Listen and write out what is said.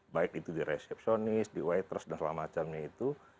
baik itu di resepsionis di weathers dan segala macamnya itu